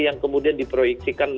yang kemudian diproyeksikan